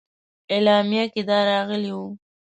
اعلامیه کې دا راغلي وه.